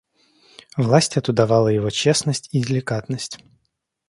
Власть эту давала его честность и деликатность.